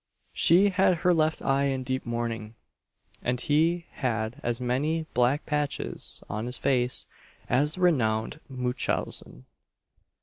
She had her left eye in deep mourning; and he had as many black patches on his face as the renowned Munchausen.